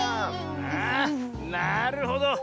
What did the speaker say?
あなるほど。